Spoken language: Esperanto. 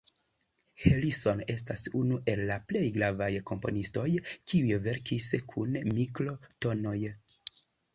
Harrison estas unu el la plej gravaj komponistoj kiuj verkis kun mikro-tonoj.